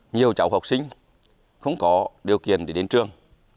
nhiều cháu học sinh không có điều kiện để đến trường